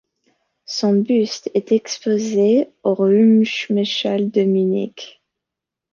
Son buste est exposé au Ruhmeshalle de Munich.